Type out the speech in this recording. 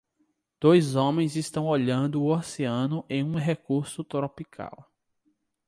Dois homens estão olhando o oceano em um recurso tropical.